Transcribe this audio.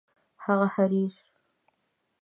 هغه حریر